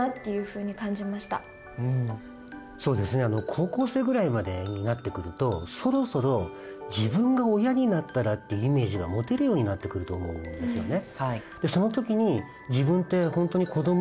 高校生ぐらいまでになってくるとそろそろ自分が親になったらってイメージが持てるようになってくると思うんですよね。